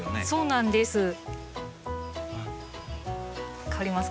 そうなんです。